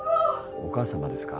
お母様ですか？